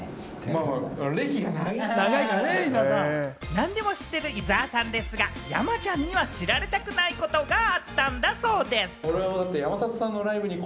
何でも知ってる伊沢さんですが、山ちゃんには知られたくないことがあったんだそうです。